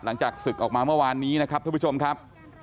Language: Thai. หลังจากศึกออกมาเมื่อวานนี้นะครับท่านผู้ชมครับ